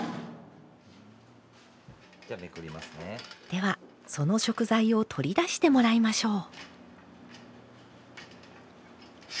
ではその食材を取り出してもらいましょう。